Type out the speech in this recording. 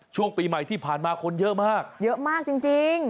ช่วงปีใหม่ที่ผ่านมาคนเยอะมากเยอะมากจริง